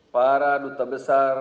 para duta besar